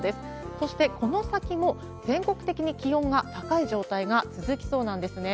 そしてこの先も、全国的に気温が高い状態が続きそうなんですね。